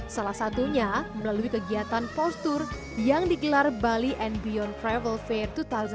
salah satunya melalui kegiatan postur yang digelar bali and beyond travel fair dua ribu delapan belas